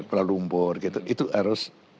kuala lumpur gitu itu harus